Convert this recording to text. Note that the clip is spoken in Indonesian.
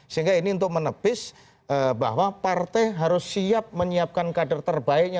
sehingga ini untuk menepis bahwa partai harus siap menyiapkan kader terbaiknya